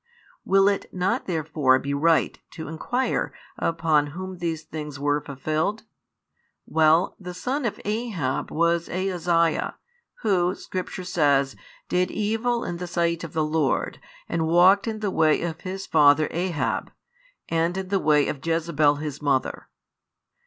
Will it not therefore be right to inquire upon whom these things were fulfilled? Well, the son of Ahab was Ahaziah, Who, Scripture says, did evil in the sight of the Lord and walked in the way of his father Ahab, and in the way of Jezebel his mother.